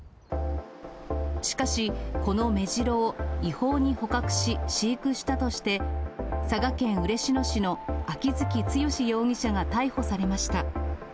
しかし、このメジロを違法に捕獲し、飼育したとして、佐賀県嬉野市の秋月強容疑者が逮捕されました。